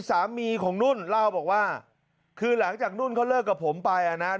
สามีของรุ่นนั้น